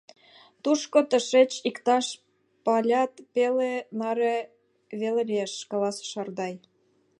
Тушко тышеч иктаж палят пеле наре веле лиеш, — каласыш Ардай.